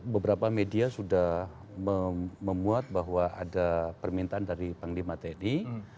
beberapa media sudah memuat bahwa ada permintaan dari panglima tni